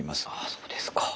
そうですか。